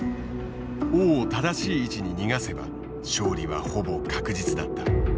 王を正しい位置に逃がせば勝利はほぼ確実だった。